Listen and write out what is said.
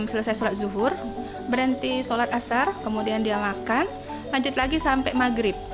selesai sholat zuhur berhenti sholat asar kemudian dia makan lanjut lagi sampai maghrib